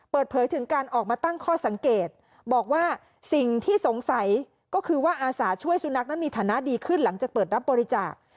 เปิดเผยถึงการออกมาตั้งข้อสังเกตบอกว่าสิ่งที่สงสัยก็คือว่าอาสาช่วยสุนัขนั้นมีฐานะดีขึ้นหลังจากเปิดรับบริจาค